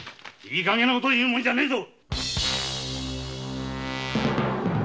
いいかげんなことを言うんじゃねえ！